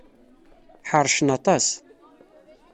Ḥeṛcen aṭas.